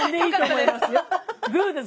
グーです。